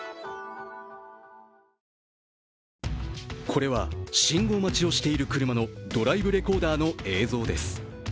これは信号待ちをしている車のドライブレコーダーの映像です。